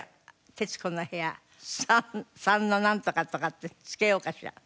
『徹子の部屋３』「３のなんとか」とかって付けようかしら。